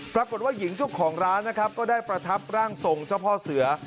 ปรากฏว่าหญิงเจ้าของร้านนะครับก็ได้ประทับร่างทรงเจ้าพ่อเสือ